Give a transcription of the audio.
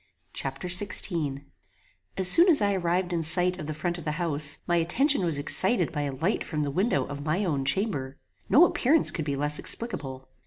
Chapter XVI As soon as I arrived in sight of the front of the house, my attention was excited by a light from the window of my own chamber. No appearance could be less explicable.